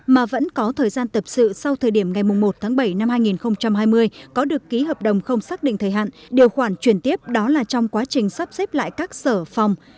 mà vẫn có thời gian tập sự sau thời điểm ngày một tháng bảy năm hai nghìn hai mươi có được ký hợp đồng không xác định thời hạn điều khoản chuyển tiếp đó là trong quá trình sắp xếp lại các sở phòng